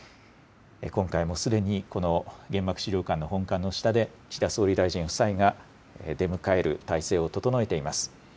今回もすでに原爆資料館の本館の下で、岸田総理大臣夫妻が出迎える態勢を整えています。